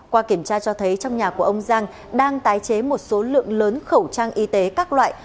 qua kiểm tra cho thấy trong nhà của ông giang đang tái chế một số lượng lớn khẩu trang y tế các loại